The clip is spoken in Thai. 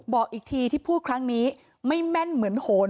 บอกอีกทีที่พูดครั้งนี้ไม่แม่นเหมือนโหน